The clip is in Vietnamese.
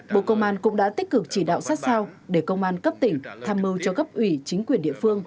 bộ công an cũng đã tích cực chỉ đạo sát sao để công an cấp tỉnh tham mưu cho cấp ủy chính quyền địa phương